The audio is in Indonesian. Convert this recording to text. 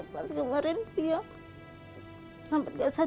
masa masa gini udah punya sakit